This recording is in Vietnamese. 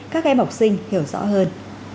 các em học sinh hiểu rõ hơn